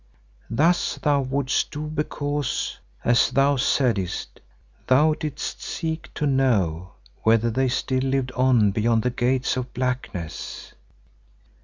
Thus thou wouldst do because, as thou saidest, thou didst seek to know whether they still lived on beyond the gates of Blackness.